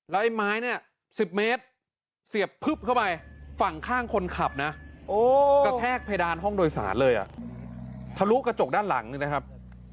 ไอ้ไม้เนี่ย๑๐เมตรเสียบพึบเข้าไปฝั่งข้างคนขับนะกระแทกเพดานห้องโดยสารเลยอ่ะทะลุกระจกด้านหลังนี่นะครับ